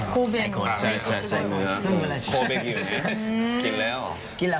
ขอบคุณครับ